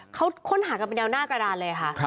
เขาค้นหากันเป็นแนวหน้ากระดานเลยค่ะ